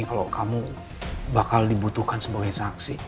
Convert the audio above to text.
kalau kamu bakal dibutuhkan sebagai saksi